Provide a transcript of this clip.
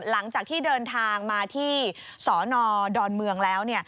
หลังจากที่เดินทางมาที่สนดอนเมืองแล้ว